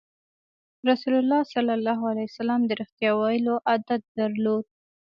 رسول الله ﷺ د رښتیا ویلو عادت درلود.